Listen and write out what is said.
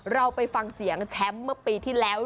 เราไปฟังเสียงแชมป์เมื่อปีที่แล้ว